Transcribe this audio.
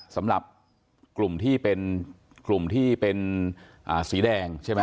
สำหรับกลุ่มที่เป็นกลุ่มที่เป็นสีแดงใช่ไหม